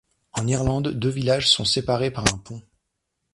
En Irlande, deux villages sont séparés par un pont.